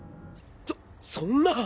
そそんな！？